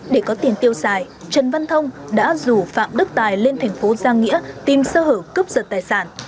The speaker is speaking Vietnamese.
để có tiền tiêu xài trần văn thông đã rủ phạm đức tài lên thành phố giang nghĩa tìm sơ hở cướp giật tài sản